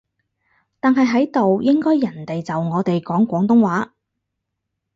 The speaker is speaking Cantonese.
但係喺度應該人哋就我哋講廣東話